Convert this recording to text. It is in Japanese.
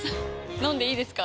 飲んでいいですか？